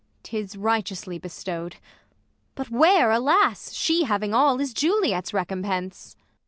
Ang. 'Tis righteously bestow'd. But where, alas ! She having all, is Juliet's recompence